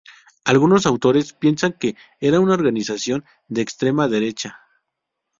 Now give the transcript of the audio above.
Algunos autores piensan que era una organización de extrema derecha.